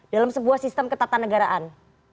dalam sebuah sistem ketatanegaraan